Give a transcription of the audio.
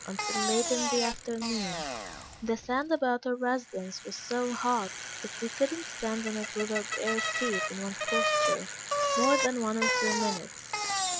until late in the afternoon, the sand about our residence was so hot that we could not stand on it with our bare feet in one posture, more than one or two minutes.